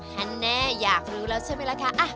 แน่อยากรู้แล้วใช่ไหมล่ะคะ